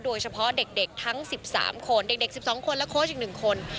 โดยเฉพาะเด็กทั้ง๑๓คนเด็ก๑๒คนและโค้ชอีก๑คน